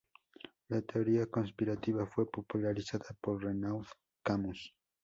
La teoría conspirativa fue popularizada por Renaud Camus.